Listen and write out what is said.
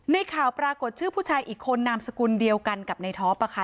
ในข่าวปรากฏชื่อผู้ชายอีกคนนามสกุลเดียวกันกับในท็อปค่ะ